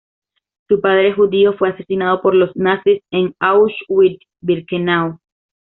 Su padre judío fue asesinado por los nazis en Auschwitz-Birkenau.